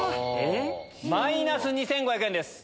マイナス２５００円です。